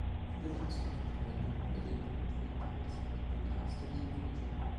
Viele der Ausdrücke und Wendungen überlebten und wurden Teil des Vokabulars der Gegenkultur.